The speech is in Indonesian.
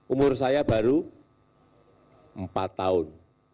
umur saya baru empat tahun